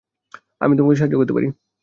আমি তোমাকে সাহায্য করতে পারি।